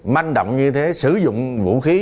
manh động như thế sử dụng vũ khí